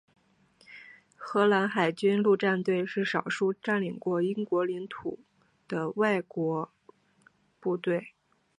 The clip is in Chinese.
荷兰海军陆战队是少数占领过英国领土的外国部队。